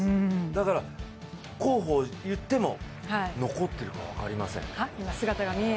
だから候補を言っても残ってるか分かりません。